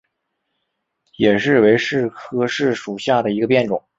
野柿为柿科柿属下的一个变种。